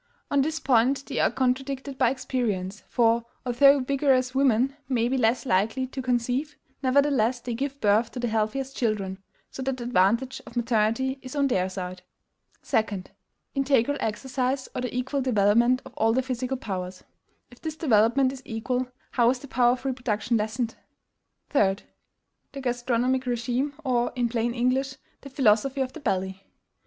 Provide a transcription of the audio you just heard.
On this point they are contradicted by experience; for, although vigorous women may be less likely to conceive, nevertheless they give birth to the healthiest children; so that the advantage of maternity is on their side. 2. INTEGRAL EXERCISE, or the equal development of all the physical powers. If this development is equal, how is the power of reproduction lessened? 3. THE GASTRONOMIC REGIME; or, in plain English, the philosophy of the belly.